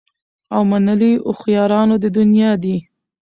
او منلي هوښیارانو د دنیا دي